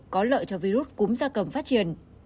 có lợi cho virus cúm da cầm phát triển